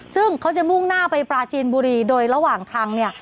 ซึ่งเขาจะมุ่งหน้าไปปราจีนบุรีโดยระหว่างทางเนี่ย